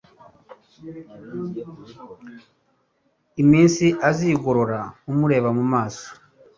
iminsi azigorora umureba mumaso